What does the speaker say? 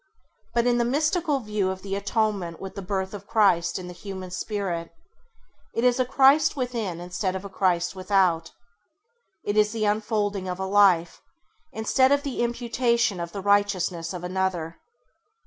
But in the mystical view of the Atonement with the birth of Christ in the human Spirit, it is a Christ within instead of a Christ without. It is the unfolding of a life, instead of the imputation of the righteousness of another.